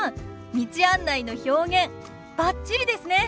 道案内の表現バッチリですね！